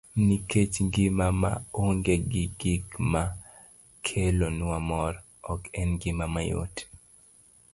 Nikech ngima ma onge gi gik ma kelonwa mor, ok en ngima mayot.